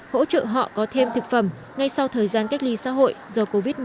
hỗ trợ họ có thêm thực phẩm ngay sau thời gian cách ly xã hội do covid một mươi chín